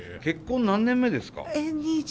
結婚何年目ですか？